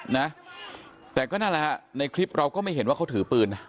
นะแต่ก็นั่นแหละฮะในคลิปเราก็ไม่เห็นว่าเขาถือปืนนะ